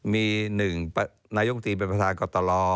มีหนึ่งนายกตีเป็นประธานกรตล